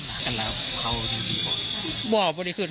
ไม่รู้จริงว่าเกิดอะไรขึ้น